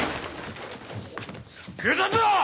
警察だ！！